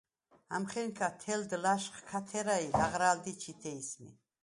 ამხენქა თელდ ლა̄შხ ქა თერა ი ლაღრა̄ლი̄ ჩი̄თე ისმი.